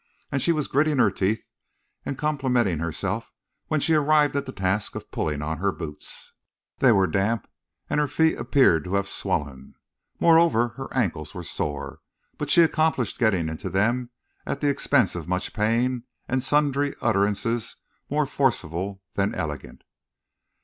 And she was gritting her teeth and complimenting herself when she arrived at the task of pulling on her boots. They were damp and her feet appeared to have swollen. Moreover, her ankles were sore. But she accomplished getting into them at the expense of much pain and sundry utterances more forcible than elegant.